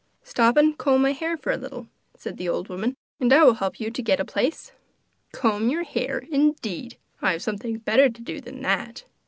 'Stop and comb my hair for a little,' said the old woman, 'and I will help you to get a place.' 'Comb your hair, indeed! I have something better to do than that!